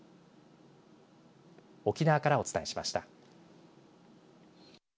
沖縄からお伝えしました。